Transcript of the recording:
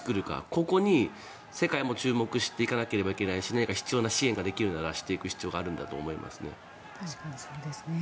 ここに世界も注目していかなければいけないし何か必要な支援ができるならしていく必要があるんだと思いますね。